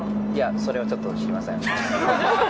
それはちょっと知りません。